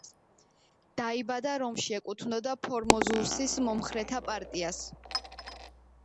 დაიბადა რომში, ეკუთვნოდა ფორმოზუსის მომხრეთა პარტიას.